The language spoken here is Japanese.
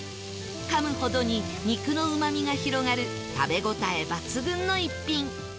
かむほどに肉のうまみが広がる食べ応え抜群の逸品